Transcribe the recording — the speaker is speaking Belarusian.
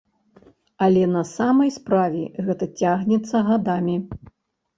Але на самай справе гэта цягнецца гадамі.